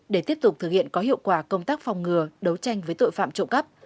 để tiếp tục thực hiện có hiệu quả công tác phòng ngừa đấu tranh với tội phạm trộm cắp